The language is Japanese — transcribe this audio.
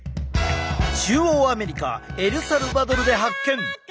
中央アメリカエルサルバドルで発見！